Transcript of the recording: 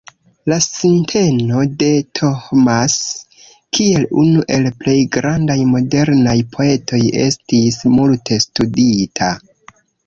La sinteno de Thomas kiel unu el plej grandaj modernaj poetoj estis multe studita.